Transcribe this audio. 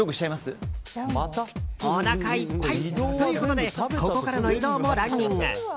おなかいっぱいということでここからの移動もランニング。